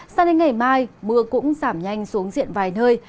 sao đến ngày mai mưa cũng giảm nhanh xuống diện vài nơi